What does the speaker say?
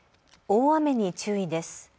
大雨に注意です。